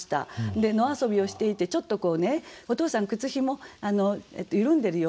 野遊びをしていてちょっとこうねお父さん靴紐緩んでるよ